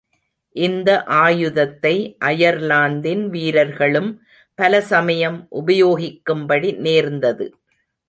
இந்த ஆயுதத்தை அயர்லாந்தின் வீரர்களும் பல சமயம் உபயோகிக்கும் படி நேர்ந்தது.